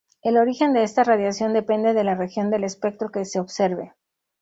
El origen de esta radiación depende de la región del espectro que se observe.